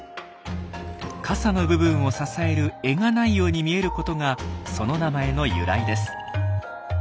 傘の部分を支える柄が無いように見えることがその名前の由来です。